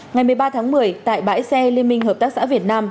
ngày một mươi ba tháng một mươi tại bãi xe liên minh hợp tác xã việt nam